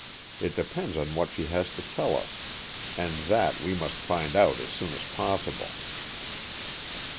It depends on what she has to tell us, and that we must find out as soon as possible."